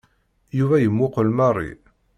Yuba yemmuqel Mary.